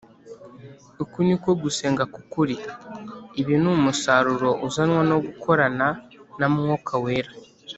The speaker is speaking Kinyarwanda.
. Uku ni ko gusenga kw’ukuri. Ibi ni umusaruro uzanwa no gukorana na Mwuka Wera.